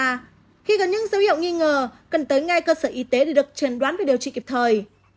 khi có những dấu hiệu nghi ngờ cần tới ngay cơ sở y tế để được trần đoán và điều trị kịp thời